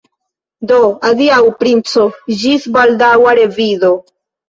Do, adiaŭ, princo, ĝis baldaŭa revido!